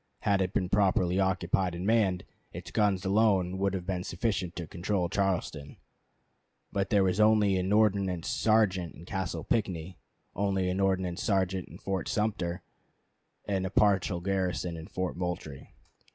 Had it been properly occupied and manned, its guns alone would have been sufficient to control Charleston. But there was only an ordnance sergeant in Castle Pinckney, only an ordnance sergeant in Fort Sumter, and a partial garrison in Fort Moultrie.